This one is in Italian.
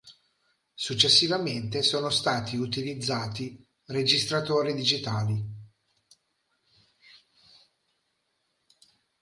Successivamente sono stati utilizzati registratori digitali.